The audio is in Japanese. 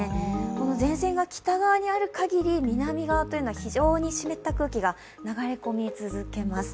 この前線が北にあるかぎり南側というのは非常に湿った空気が流れ込み続けます。